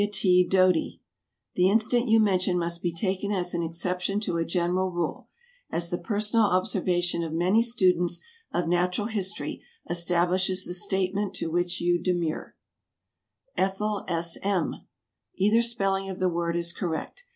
W. T. DOTY. The incident you mention must be taken as an exception to a general rule, as the personal observation of many students of natural history establishes the statement to which you demur. ETHEL S. M. Either spelling of the word is correct.